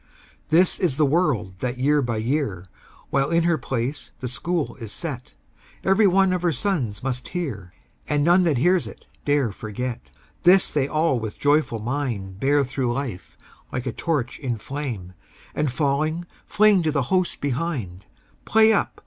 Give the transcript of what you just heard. This is the word that year by year, While in her place the School is set, Every one of her sons must hear, And none that hears it dare forget. This they all with a joyful mind Bear through life like a torch in flame, And falling fling to the host behind "Play up!